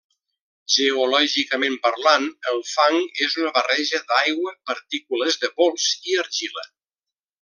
Geològicament parlant, el fang és una barreja d'aigua, partícules de pols i argila.